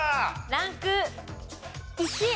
ランク１。